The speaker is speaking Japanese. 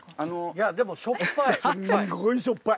いやでもしょっぱい。